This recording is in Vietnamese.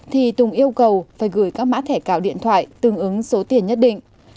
thì tùng yêu cầu phải gửi các mã thẻ cào điện thoại tương ứng số tiền nhất định